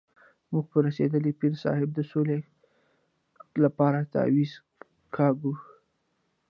موږ په رسېدلي پیر صاحب د سولې لپاره تعویض کاږو.